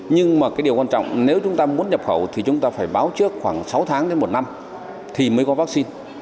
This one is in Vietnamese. nhưng mà cái điều quan trọng nếu chúng ta muốn nhập khẩu thì chúng ta phải báo trước khoảng sáu tháng đến một năm thì mới có vaccine